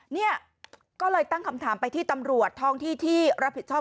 เนี่ยก็เลยตั้งคำถามไปที่ตำรวจท้องที่ที่รับผิดชอบ